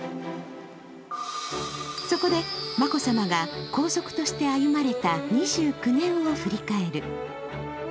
そこで、眞子さまが皇族として歩まれた２９年を振り返る。